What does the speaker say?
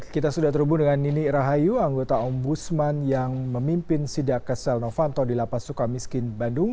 kita sudah terhubung dengan nini rahayu anggota ombudsman yang memimpin sidak kesel novanto di lapas suka miskin bandung